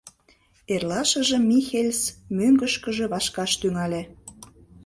Эрлашыжым Михельс мӧҥгышкыжӧ вашкаш тӱҥале.